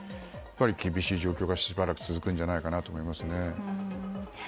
厳しい状況がしばらく続くんじゃないかなと思いますね。